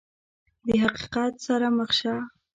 د حقیقت سره مخ شه !